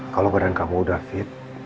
kalau badan kamu udah fit